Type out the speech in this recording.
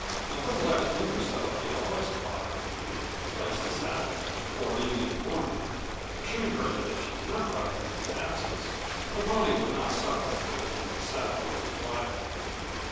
Until the last week or so he had always caught her pony and placed the saddle on it before leaving in the morning, assuring her that if she did not ride during his absence the pony would not suffer through being saddled and bridled.